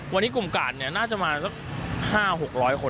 วันนี้กลุ่มกาดน่าจะมาสัก๕๖๐๐คน